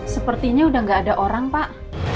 sepertinya udah gak ada orang pak